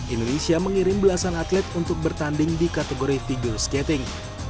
indonesia mengirim belasan atlet untuk bertanding di kategori figure skating